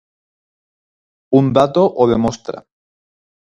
Un dato o demostra.